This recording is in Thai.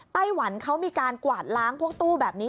ไต้หวันเขามีการกวาดล้างพวกตู้แบบนี้